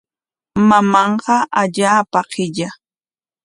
Mamanqa allaapa qilla.